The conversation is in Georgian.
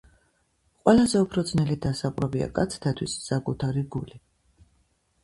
ყველაზე უფრო ძნელი დასაპყრობია კაცთათვის საკუთარი გული